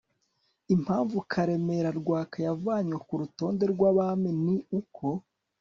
impamvu karemera rwaka yavanywe ku rutonde rw'abami ni uko